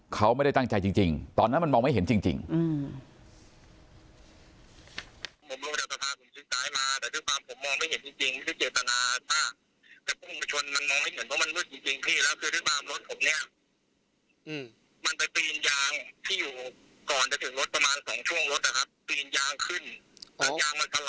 เขาไม่ได้ตั้งใจจริงตอนนั้นมันมองไม่เห็นจริง